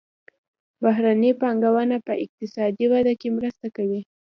بهرنۍ پانګونه په اقتصادي وده کې مرسته کوي.